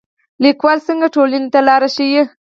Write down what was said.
لیکوال څنګه ټولنې ته لار ښيي؟